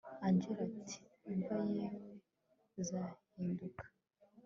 angella ati imva yewee buzahinduka